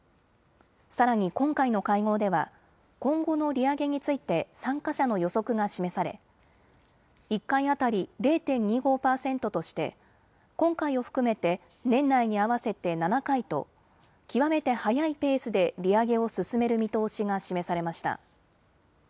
さらに今回の会合では今後の利上げについて参加者の予測が示され１回あたり０．２５パーセントとして今回を含めて年内に合わせて７回と極めて早いペースで利上げを進める見通しが示されました。